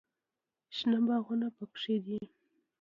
شنه باغونه پکښې دي.